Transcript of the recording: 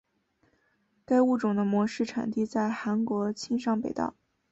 该物种的模式产地在韩国庆尚北道。